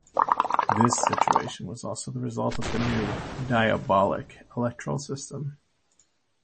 This situation was also the result of the new "diabolic" electoral system.